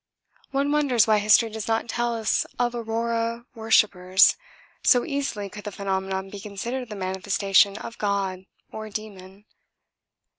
One wonders why history does not tell us of 'aurora' worshippers, so easily could the phenomenon be considered the manifestation of 'god' or 'demon.'